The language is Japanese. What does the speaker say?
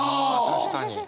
確かに。